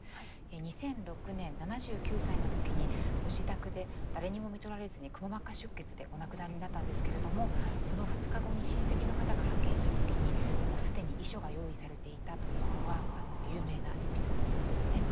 ２００６年７９歳の時にご自宅で誰にもみとられずにくも膜下出血でお亡くなりになったんですけれどもその２日後に親戚の方が発見した時に既に遺書が用意されていたというのは有名なエピソードなんですね。